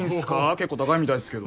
結構高いみたいですけど。